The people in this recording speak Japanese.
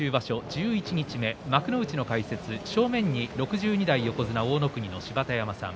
十一日目幕内の解説正面に６２代横綱大乃国の芝田山さん